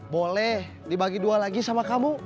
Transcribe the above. boleh dibagi dua lagi sama kamu